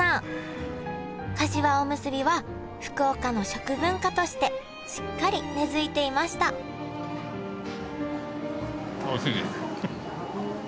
かしわおむすびは福岡の食文化としてしっかり根づいていましたおいしいです！